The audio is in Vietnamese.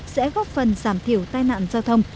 sẽ góp phần giảm thiểu tai nạn giao thông